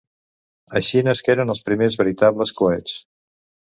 Així nasqueren els primers veritables coets.